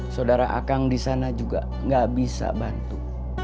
saudara akang disana juga gak bisa bantu